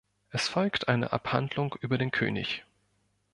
Es folgt eine Abhandlung über den König.